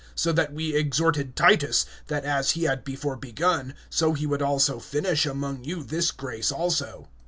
(6)So that we exhorted Titus, that as he had before begun, so he would also finish among you this grace also.